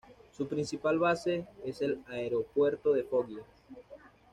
Su principal base es el Aeropuerto de Foggia.